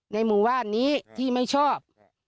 หมู่บ้านนี้ที่ไม่ชอบ